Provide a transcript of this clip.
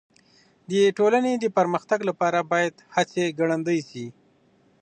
د ټولني د پرمختګ لپاره بايد هڅې ګړندۍ سي.